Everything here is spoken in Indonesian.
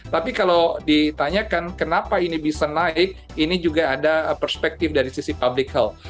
tapi kalau ditanyakan kenapa ini bisa naik ini juga ada perspektif dari sisi public health